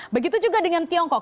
begitu juga dengan tiongkok